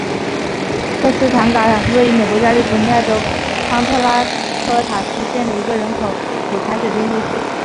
科斯塔港是位于美国加利福尼亚州康特拉科斯塔县的一个人口普查指定地区。